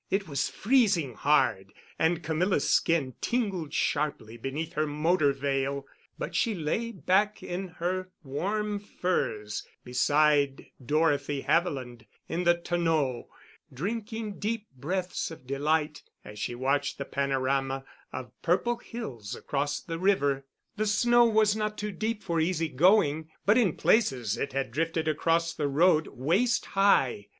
It was freezing hard, and Camilla's skin tingled sharply beneath her motor veil, but she lay back in her warm furs beside Dorothy Haviland in the tonneau, drinking deep breaths of delight as she watched the panorama of purple hills across the river. The snow was not too deep for easy going, but in places it had drifted across the road waist high.